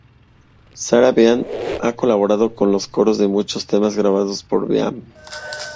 Sarah Beam ha colaborado con los coros de muchos temas grabados por Beam.